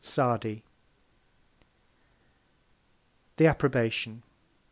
SADI. THE Approbation.